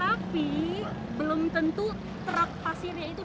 tapi belum tentu truk pasirnya itu